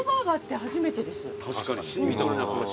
確かに。